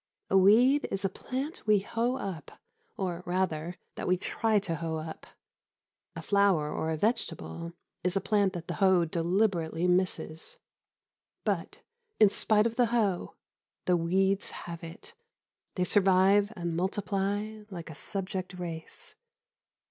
A weed is a plant we hoe up or, rather, that we try to hoe up. A flower or a vegetable is a plant that the hoe deliberately misses. But, in spite of the hoe, the weeds have it. They survive and multiply like a subject race....